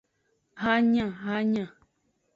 Hanyahanya.